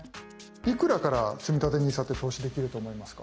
いくらからつみたてＮＩＳＡって投資できると思いますか？